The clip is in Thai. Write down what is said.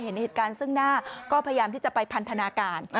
เห็นเหตุการณ์ซึ่งหน้าก็พยายามที่จะไปพันธนาการ